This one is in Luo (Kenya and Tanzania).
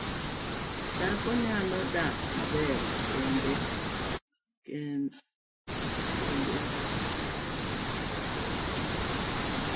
Dhano nyalo dak maber kendo da